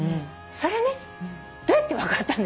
それねどうやって分かったんですか？